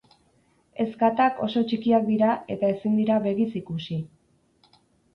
Ezkatak oso txikiak dira eta ezin dira begiz ikusi.